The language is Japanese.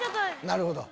なるほど。